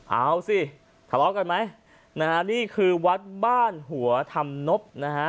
เอาสิทะเลาะกันไหมนะฮะนี่คือวัดบ้านหัวธรรมนบนะฮะ